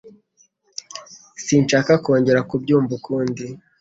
Sinshaka kongera kubyumva ukundi.